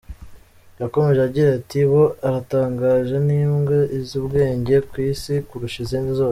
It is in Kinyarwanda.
Yakomeje agira ati :« Bo aratangaje ! Ni imbwa izi ubwenge ku isi kurusha izindi zose.